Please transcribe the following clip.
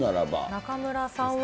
中村さんは。